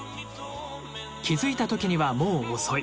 「気付いた時にはもうおそい。